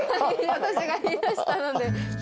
私が言いだしたので。